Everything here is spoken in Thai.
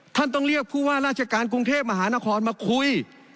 ต้องเรียกผู้ว่าราชการกรุงเทพมหานครมาคุย